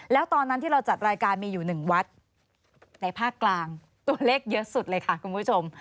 แล้วตอนนั้นที่เราจัดรายการมีอยู่๑วัดในภาคกลางตัวเลขเยอะสุดเลยค่ะคุณผู้ชม